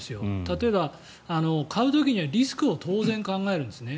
例えば、買う時にはリスクを当然考えるんですね。